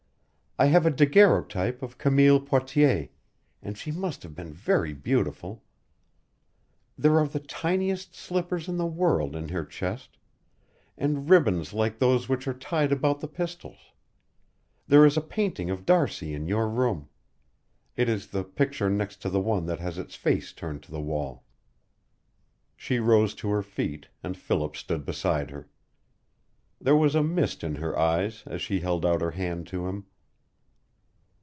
I have a daguerreotype of Camille Poitiers, and she must have been very beautiful. There are the tiniest slippers in the world in her chest, and ribbons like those which are tied about the pistols. There is a painting of D'Arcy in your room. It is the picture next to the one that has its face turned to the wall." She rose to her feet, and Philip stood beside her. There was a mist in her eyes as she held out her hand to him.